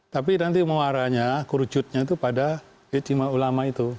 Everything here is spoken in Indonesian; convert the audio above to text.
tapi nanti muaranya kerucutnya itu pada ijtima ulama itu